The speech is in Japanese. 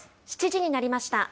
７時になりました。